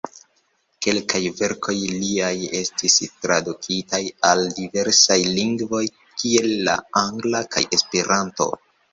Kelkaj verkoj liaj estis tradukitaj al diversaj lingvoj, kiel al angla kaj Esperanto.